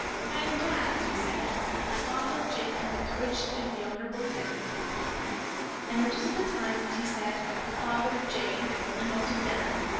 'I am glad,' he said, 'that the father of Jane had the courage to do the honorable thing.' I noticed at the time that he said 'the father of Jane' and not of Dan.